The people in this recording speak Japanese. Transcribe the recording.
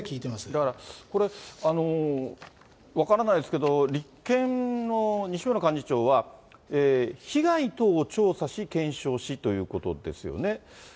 だからこれ、分からないですけど、立憲の西村幹事長は、被害等を調査し、検証しということですよね。